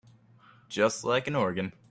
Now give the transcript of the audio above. Just like an organ.